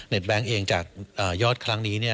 แบงค์เองจากยอดครั้งนี้